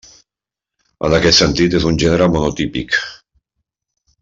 En aquest sentit és un gènere monotípic.